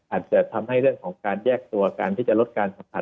อาจจะทำให้เรื่องของการแยกตัวการที่จะลดการสัมผัส